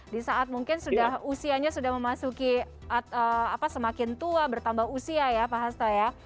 di saat mungkin usianya sudah memasuki semakin tua bertambah usia ya pak hasto ya